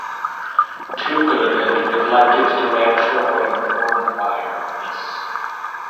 Toogood had neglected to actually inform Dwyer of this.